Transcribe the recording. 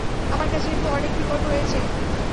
আমার কাছে কিন্তু অনেক বিকল্প রয়েছে।